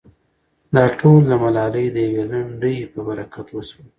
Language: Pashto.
دا ټول د ملالې د يوې لنډۍ په برکت وشول.